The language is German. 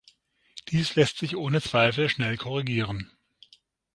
Dies lässt sich ohne Zweifel schnell korrigieren.